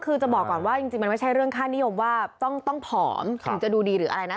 คือจะบอกก่อนว่าจริงมันไม่ใช่เรื่องค่านิยมว่าต้องผอมถึงจะดูดีหรืออะไรนะ